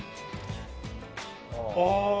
ああ。